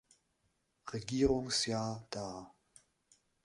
Regierungsjahr dar.